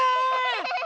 ハハハハ！